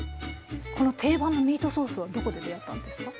この定番のミートソースはどこで出会ったんですか？